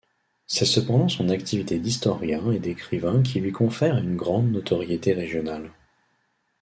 C'est cependant son activité d'historien et d'écrivain qui lui confère une grande notoriété régionale.